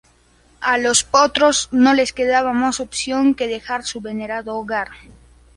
A los Protoss no les quedaba más opción que dejar su venerado hogar.